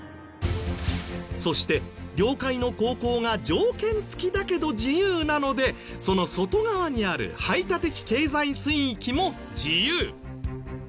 そして領海の航行が条件付きだけど自由なのでその外側にある排他的経済水域も自由。